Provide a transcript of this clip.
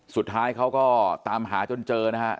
สุดท้ายเขาก็ตามหาจนเจอนะฮะ